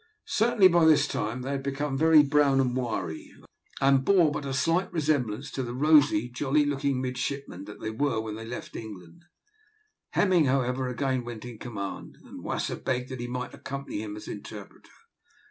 Certainly by this time they had become very brown and wiry, and bore but a slight resemblance to the rosy, jolly looking midshipmen they were when they left England. Hemming, however, again went in command, and Wasser begged that he might accompany him as interpreter.